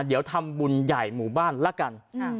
เดี๋ยวทำบุญใหญ่หมู่บ้านละกัน